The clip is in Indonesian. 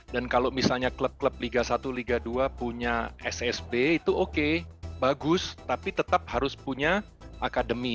dan kalau misalnya klub klub liga satu liga dua punya ssb itu oke bagus tapi tetap harus punya akademi